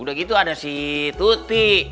udah gitu ada si tuti